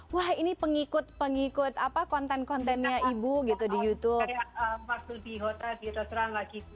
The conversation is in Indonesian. wah ini pengikut pengikut konten kontennya ibu gitu di youtube waktu di hotel di restoran lagi